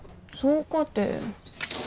そうかて。